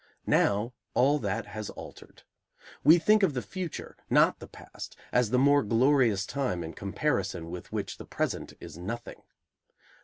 Now all that has altered. We think of the future, not the past, as the more glorious time in comparison with which the present is nothing.